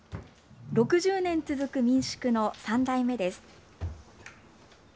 ６０年続く民宿の３代目です。